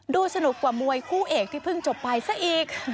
ดูสนุกกว่ามวยคู่เอกที่เพิ่งจบไปซะอีก